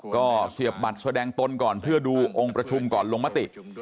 ก็เสียบบัตรแสดงตนก่อนเพื่อดูองค์ประชุมก่อนลงมติ